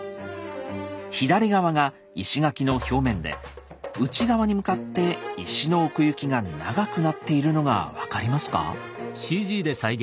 左側が石垣の表面で内側に向かって石の奥行きが長くなっているのが分かりますか？